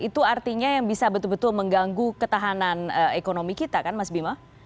itu artinya yang bisa betul betul mengganggu ketahanan ekonomi kita kan mas bima